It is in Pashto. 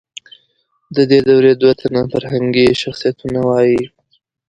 د دې دورې دوه تنه فرهنګي شخصیتونه ووایئ.